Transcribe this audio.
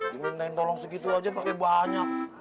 dimintain tolong segitu aja pakai banyak